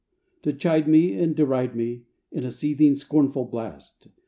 To chide me And deride me In a seething scornful blast.